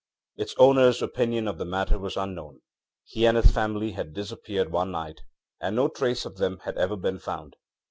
Its ownerŌĆÖs opinion of the matter was unknown; he and his family had disappeared one night and no trace of them had ever been found.